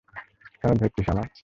কেন ধরেছিস আমায়?